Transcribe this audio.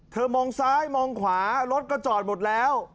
มองซ้ายมองขวารถก็จอดหมดแล้ว